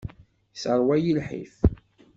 Yesseṛwa-iyi lḥif.